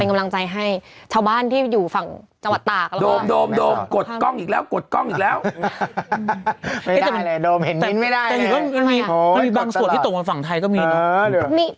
เป็นกำลังใจให้เฉาบ้านที่อยู่ฝั่งจังหวัดตากละ